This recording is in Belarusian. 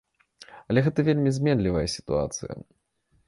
Але гэта вельмі зменлівая сітуацыя.